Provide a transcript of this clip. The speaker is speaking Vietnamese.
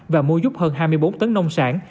và mua giúp hơn hai mươi bốn tấn nông sản